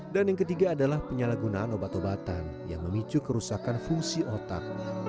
dan yang ketiga adalah penyalahgunaan obat obatan yang memicu kerusakan fungsi otak